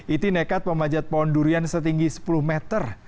iti nekat memanjat pohon durian setinggi sepuluh meter